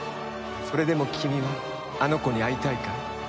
それでも君はあの子に会いたいかい？